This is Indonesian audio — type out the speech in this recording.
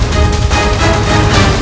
kau akan menang